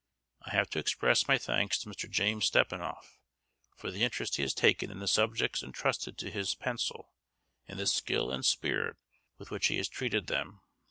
I have to express my thanks to Mr. James Stephanoff, for the interest he has taken in the subjects entrusted to his pencil, and the skill and spirit with which he has treated them.